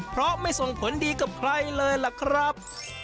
เพราะไม่ส่งผลดีกับใครเลยล่ะครับ